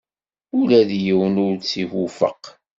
Ula d yiwen ur tt-iwufeq.